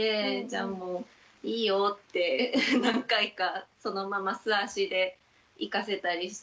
じゃあもういいよって何回かそのまま素足で行かせたりしてました。